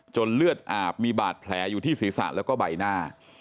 เลือดอาบมีบาดแผลอยู่ที่ศีรษะแล้วก็ใบหน้า